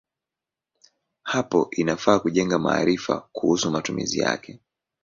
Hapo inafaa kujenga maarifa kuhusu matumizi yake.